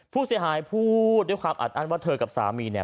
ผู้เสียหายพูดด้วยความอัดอั้นว่าเธอกับสามีเนี่ย